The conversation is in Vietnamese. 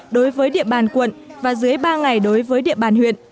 đối với địa bàn quận và dưới ba ngày đối với địa bàn huyện